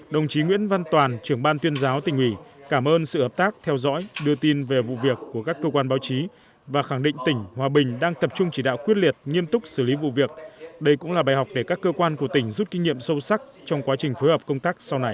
đồng chí nguyễn văn toàn trưởng ban tuyên giáo tỉnh ủy cảm ơn sự hợp tác theo dõi đưa tin về vụ việc của các cơ quan báo chí và khẳng định tỉnh hòa bình đang tập trung chỉ đạo quyết liệt nghiêm túc xử lý vụ việc đây cũng là bài học để các cơ quan của tỉnh rút kinh nghiệm sâu sắc trong quá trình phối hợp công tác sau này